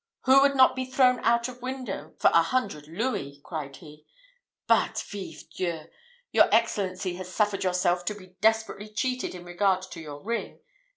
"Who would not be thrown out of window for a hundred louis?" cried he; "but Vive Dieu! your excellency has suffered yourself to be desperately cheated in regard to your ring.